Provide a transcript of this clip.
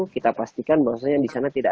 kita pastikan maksudnya disana tidak